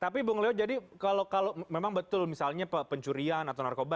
tapi bu ngelio jadi memang betul misalnya pencurian atau narkoba